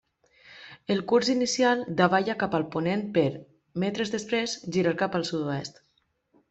El curs inicial davalla cap a ponent per, metres després, girar cap al sud-oest.